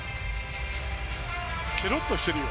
ケロッとしてるよ。